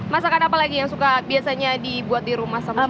masakan apa lagi yang suka biasanya dibuat di rumah sama